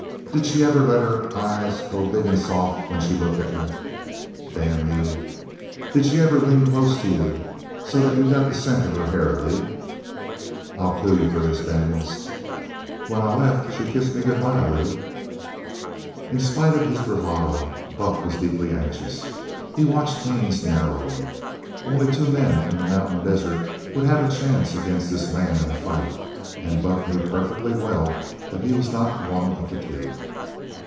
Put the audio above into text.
"Did she ever let her eyes go big an' soft when she looked at you?" "Damn you." "Did she ever lean close to you, so's you got the scent of her hair, Lee?" "I'll kill you for this, Daniels!" "When I left she kissed me good bye, Lee." In spite of his bravado, Buck was deeply anxious. He watched Haines narrowly. Only two men in the mountain desert would have had a chance against this man in a fight, and Buck knew perfectly well that he was not one of the two.